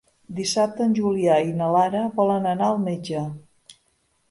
Dissabte en Julià i na Lara volen anar al metge.